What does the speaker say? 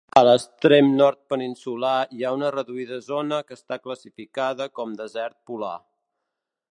A l'extrem nord peninsular hi ha una reduïda zona que està classificada com desert polar.